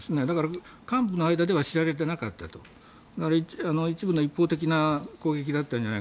だから、幹部の間では知られていなかったと。一部の一方的な攻撃だったと。